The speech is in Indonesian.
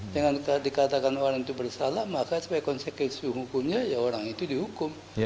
dengan dikatakan orang itu bersalah maka sebagai konsekuensi hukumnya ya orang itu dihukum